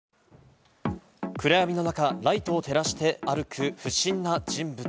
暗闇の中、ライトを照らして歩く不審な人物。